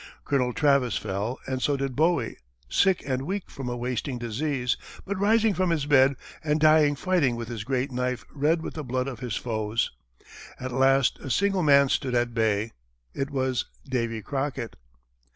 Colonel Travis fell, and so did Bowie, sick and weak from a wasting disease, but rising from his bed, and dying fighting with his great knife red with the blood of his foes. At last a single man stood at bay. It was Davy Crockett.